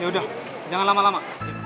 ya udah jangan lama lama